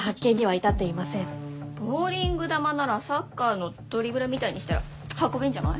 ボウリング球ならサッカーのドリブルみたいにしたら運べんじゃない？